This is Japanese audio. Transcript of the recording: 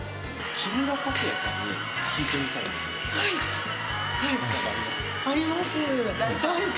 木村拓哉さんに聞いてみたいこと。